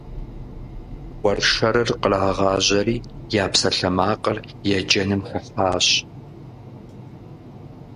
Уэршэрыр кърагъажьэри, я псалъэмакъыр еджэным хыхьащ.